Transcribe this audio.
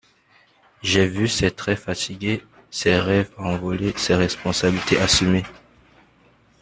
J’ai vu ses traits fatigués, ses rêves envolés, ses responsabilités assumées.